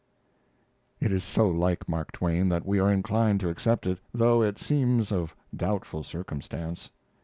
It is so like Mark Twain that we are inclined to accept it, though it seems of doubtful circumstance.